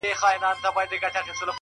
هغه شپه مي ټوله سندريزه وه؛